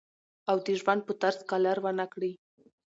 او د ژوند پۀ طرز کلر ونۀ کړي